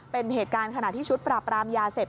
เป็นเหตุการณ์ขณะที่ชุดปราบรามยาเสพ